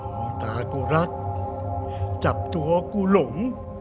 ออห์ตากูรักจับตัวกูหลุม